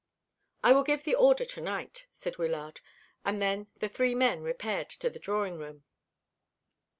"I will give the order to night," said Wyllard; and then the three men repaired to the drawing room.